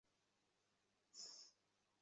ওহ, ফ্যাস্টোস!